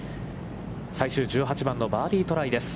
最終１８番のバーディートライです。